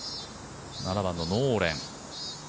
７番のノーレン。